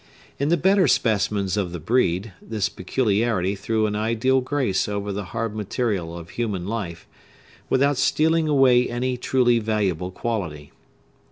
In the better specimens of the breed, this peculiarity threw an ideal grace over the hard material of human life, without stealing away any truly valuable quality.